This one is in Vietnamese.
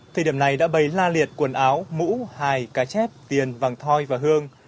thời điểm này đã bày la liệt quần áo mũ hài cá chép tiền vàng thoi và hương